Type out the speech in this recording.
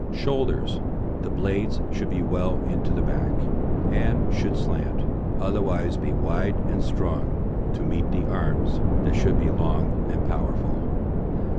SHOULDERS The blades should be well into the back, and should slant, otherwise be wide and strong, to meet the arms, that should be long and powerful.